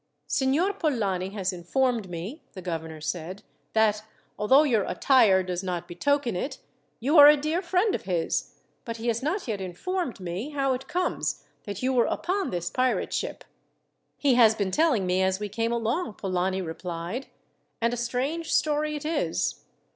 "Signor Polani has informed me," the governor said, "that, although your attire does not betoken it, you are a dear friend of his; but he has not yet informed me how it comes that you were upon this pirate ship." "He has been telling me as we came along," Polani replied; "and a strange story it is.